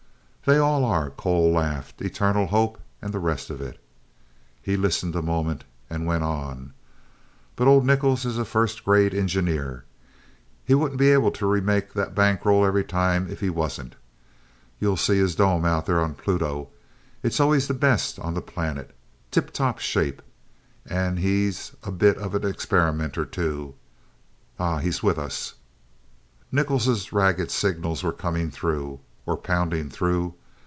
"They all are," Cole laughed. "Eternal hope, and the rest of it." He listened a moment and went on. "But old Nichols is a first grade engineer. He wouldn't be able to remake that bankroll every time if he wasn't. You'll see his Dome out there on Pluto it's always the best on the planet. Tip top shape. And he's a bit of an experimenter too. Ah he's with us." Nichols' ragged signals were coming through or pounding through.